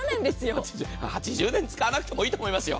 ８０年使わなくてもいいと思いますよ。